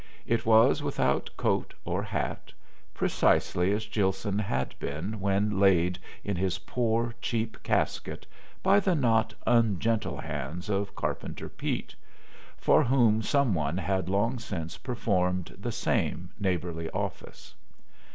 It was without coat or hat, precisely as Gilson had been when laid in his poor, cheap casket by the not ungentle hands of Carpenter Pete for whom some one had long since performed the same neighborly office.